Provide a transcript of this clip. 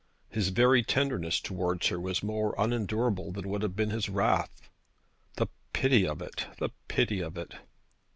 His very tenderness towards her was more unendurable than would have been his wrath. The pity of it! The pity of it!